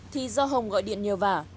thì do hồng gọi điện nhiều vả